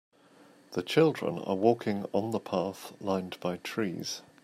The children are walking on the path lined by trees.